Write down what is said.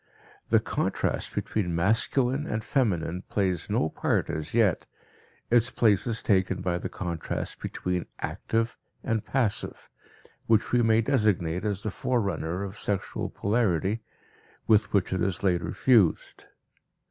The contrast between masculine and feminine plays no part as yet, its place is taken by the contrast between active and passive, which we may designate as the forerunner of sexual polarity, with which it is later fused.